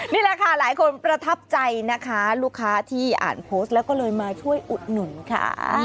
นี่แหละค่ะหลายคนประทับใจนะคะลูกค้าที่อ่านโพสต์แล้วก็เลยมาช่วยอุดหนุนค่ะ